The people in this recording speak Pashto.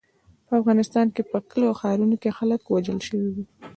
په افغانستان کې په کلیو او ښارونو کې خلک وژل شوي وو.